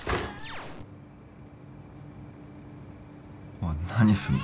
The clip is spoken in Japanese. おい何すんだ。